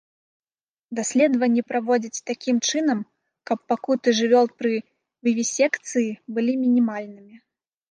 Даследванні праводзяць такім чынам, каб пакуты жывёл пры вівісекцыі былі мінімальнымі.